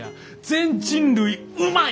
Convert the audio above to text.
全人類「うまい！」